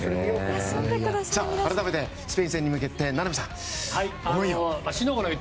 改めて、スペイン戦に向けて名波さん、思いを。